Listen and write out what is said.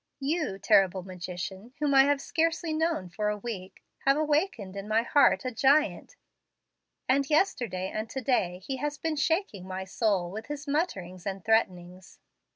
You, terrible magician, whom I have scarcely known for a week, have awakened in my heart a giant; and yesterday and to day he has been shaking my soul with his mutterings and threatenings.